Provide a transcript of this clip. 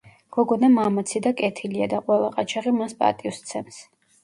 გოგონა მამაცი და კეთილია და ყველა ყაჩაღი მას პატივს სცემს.